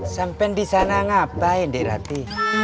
sampai disana ngapain dirhati